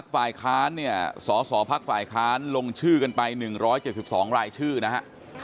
ฝ่ายค้านเนี่ยสสพักฝ่ายค้านลงชื่อกันไป๑๗๒รายชื่อนะฮะ